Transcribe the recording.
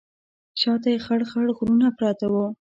شا ته یې خړ خړ غرونه پراته وو.